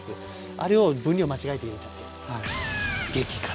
あれを分量間違えて入れちゃって激辛。